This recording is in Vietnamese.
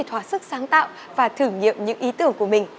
thỏa sức sáng tạo và thử nghiệm những ý tưởng của mình